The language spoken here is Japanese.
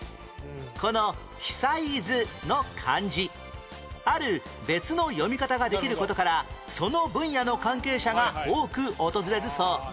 この「久伊豆」の漢字ある別の読み方ができる事からその分野の関係者が多く訪れるそう